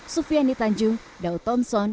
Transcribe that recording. sufian nitanjung dautonso